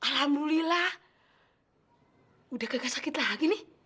alhamdulillah udah kagak sakit lagi nih